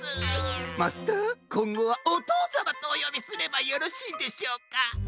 マスターこんごはおとうさまとおよびすればよろしいでしょうか？